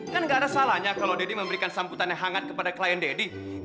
kan gak ada salahnya kalau daddy memberikan samputan yang hangat kepada klien daddy